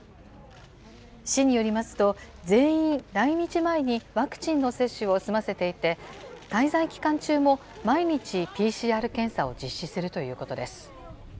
市によりますと、全員来日前にワクチンの接種を済ませていて、滞在期間中も毎日ＰＣＲ検査を実施するということです。